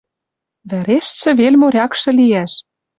Вӓрештшӹ вел морякшы лиӓш.